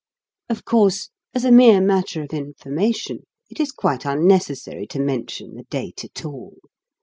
Of course, as a mere matter of information it is quite unnecessary to mention the date at all.